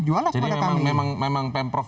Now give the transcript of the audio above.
jual lah kepada kami jadi memang pemprov